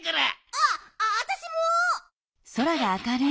ああたしも！